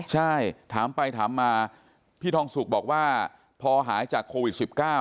ใช่ถามไปถามมาพี่ทองสุกบอกว่าพอหายจากโควิด๑๙